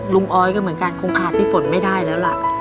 ออยก็เหมือนกันคงขาดพี่ฝนไม่ได้แล้วล่ะ